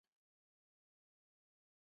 我还要听你背一次啊？